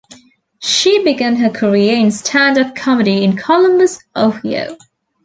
She began her career in stand-up comedy in Columbus, Ohio.